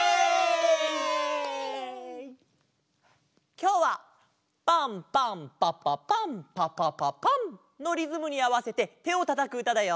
きょうはパンパンパパパンパパパパンのリズムにあわせててをたたくうただよ！